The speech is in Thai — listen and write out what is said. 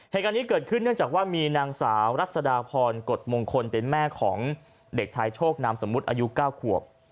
เหตุการณ์นี้เกิดขึ้นเนื่องจากว่ามีนางสาวรัศดาพรกฎมงคลเป็นแม่ของเด็กชายโชคนามสมมุติอายุ๙ขวบ